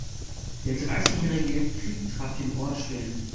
Der Dreißigjährige Krieg traf den Ort schwer.